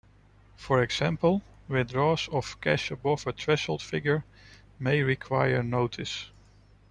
For example, withdrawals of cash above a threshold figure may require notice.